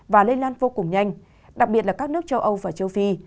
và lây lan vô cùng nhanh đặc biệt là các nước châu âu và châu phi